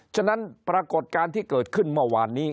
ฉะนั้นปรากฏการณ์ที่เกิดขึ้นเมื่อวานนี้